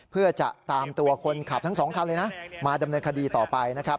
เพื่อจะตามตัวคนขับทั้งสองคันเลยนะมาดำเนินคดีต่อไปนะครับ